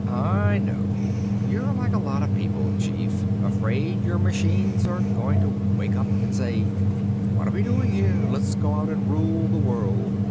"I know. You're like a lot of people, Chief afraid your machines are going to wake up and say, 'What are we doing here? Let's go out and rule the world.'